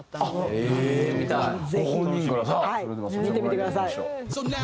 ぜひ見てみてください。